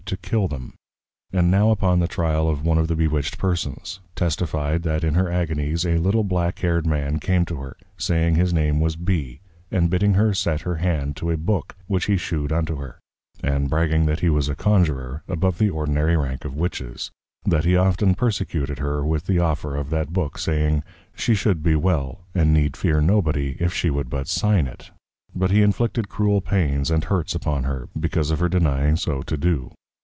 B._ to Kill them. And now upon the Tryal of one of the Bewitched Persons, testified, that in her Agonies, a little black Hair'd Man came to her, saying his Name was B. and bidding her set her hand to a Book which he shewed unto her; and bragging that he was a Conjurer, above the ordinary Rank of Witches; That he often Persecuted her with the offer of that Book, saying, She should be well, and need fear nobody, if she would but Sign it; But he inflicted cruel Pains and Hurts upon her, because of her denying so to do.